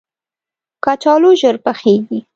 کچالو ژر پخیږي